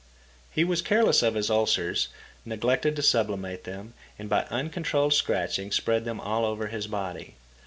He was careless of his ulcers, neglected to sublimate them, and by uncontrolled scratching spread them all over his body.